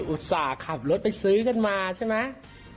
อุตส่าห์ขับรถไปซื้อกันมาใช่ไหม